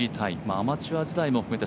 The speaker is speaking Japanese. アマチュア時代も含めて